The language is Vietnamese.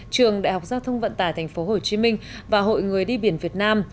trường đại học giao thông vận tải thành phố hồ chí minh và hội người đi biển việt nam